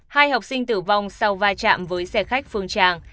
hai học sinh tử vong sau vai trạm với xe khách phương tràng